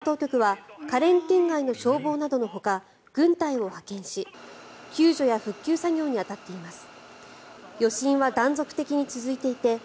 台湾当局は花蓮県外の消防などのほか軍隊を派遣し、救助や復旧作業に当たっています。